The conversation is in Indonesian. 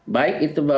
baik itu berarti